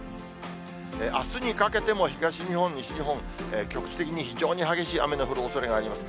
あすにかけても東日本、西日本、局地的に非常に激しい雨の降るおそれがあります。